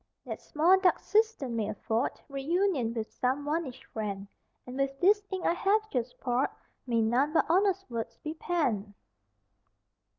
That small dark cistern may afford Reunion with some vanished friend, And with this ink I have just poured May none but honest words be penned!